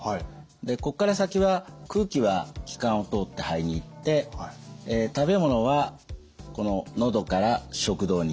でここから先は空気は気管を通って肺に行って食べ物はこの喉から食道に行きます。